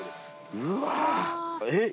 うわえっ